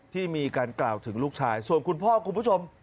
ที่มีการกล่าวถึงลูกชายส่วนคุณพ่อคุณผู้ชม